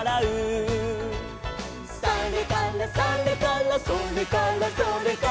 「それからそれからそれからそれから」